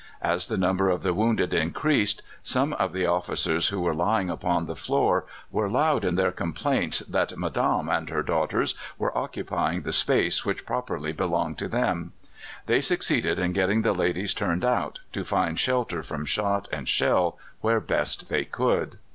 As the number of the wounded increased, some of the officers who were lying upon the floor were loud in their complaints that madame and her daughters were occupying the space which properly belonged to them. They succeeded in getting the ladies turned out, to find shelter from shot and shell where best they could!